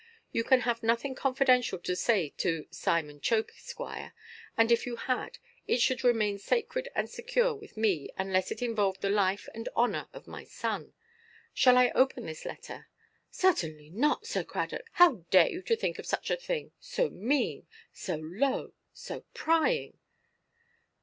You can have nothing confidential to say to 'Simon Chope, Esq.;' and if you had, it should remain sacred and secure with me, unless it involved the life and honour of my son. Shall I open this letter?" "Certainly not, Sir Cradock Nowell. How dare you to think of such a thing, so mean, so low, so prying?"